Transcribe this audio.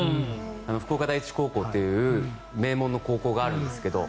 福岡第一高校っていう名門の高校があるんですけど。